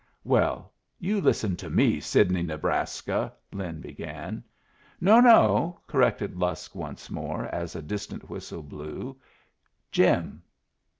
"Well, you listen to me, Sidney Nebraska " Lin began. "No, no," corrected Lusk once more, as a distant whistle blew "Jim."